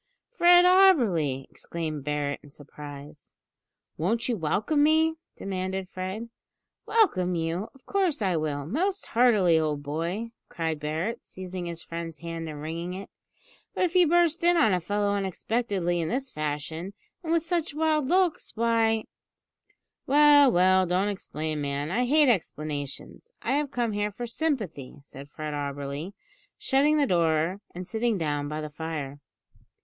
"Fred Auberly!" exclaimed Barret in surprise. "Won't you welcome me?" demanded Fred. "Welcome you? Of course I will, most heartily, old boy!" cried Barret, seizing his friend's hand and wringing it; "but if you burst in on a fellow unexpectedly in this fashion, and with such wild looks, why " "Well, well, don't explain, man; I hate explanations. I have come here for sympathy," said Fred Auberly, shutting the door and sitting down by the fire.